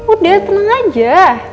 udah tenang aja